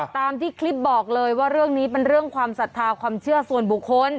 ตามที่คลิปบอกเลยว่าเรื่องนี้เป็นเรื่องความศรัทธาความเชื่อส่วนบุคคล